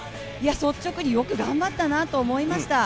率直に、よく頑張ったなと思いました。